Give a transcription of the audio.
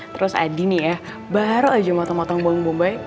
terus adi nih ya baru aja motong motong bawang bombay